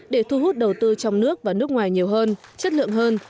để thu hút đầu tư trong nước và nước ngoài nhiều hơn chất lượng hơn